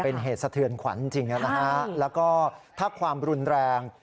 เป็นเหตุสะเทือนขวัญจริงนะฮะแล้วก็ถ้าความรุนแรง